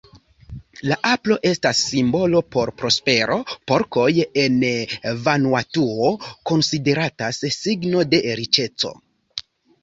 La apro estas simbolo por prospero, porkoj en Vanuatuo konsideratas signo de riĉeco.